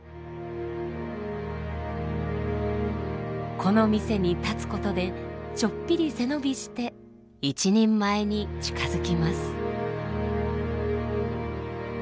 この店に立つことでちょっぴり背伸びして一人前に近づきます。